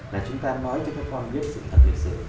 là chúng ta nói cho các con biết sự thật hiện sự